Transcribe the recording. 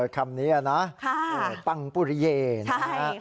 คำนี้อ่ะนะปังปุริเยใช่ค่ะ